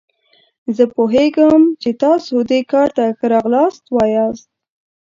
زه پوهیږم چې تاسو دې کار ته ښه راغلاست وایاست.